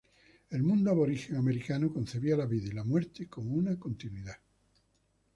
El mundo aborigen americano concebía la vida y la muerte como una continuidad.